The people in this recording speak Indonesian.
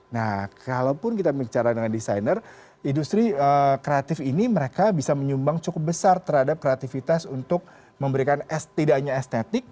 nah kalaupun kita bicara dengan desainer industri kreatif ini mereka bisa menyumbang cukup besar terhadap kreativitas untuk memberikan tidak hanya estetik